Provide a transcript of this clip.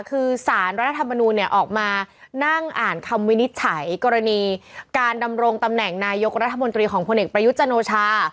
คือสารรัฐธรรมนูลเนี่ยออกมานั่งอ่านคำวินิจฉัยกรณีการดำรงตำแหน่งนายกรัฐมนตรีของพลเอกประยุทธ์จันโอชา